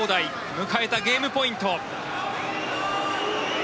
迎えたゲームポイント。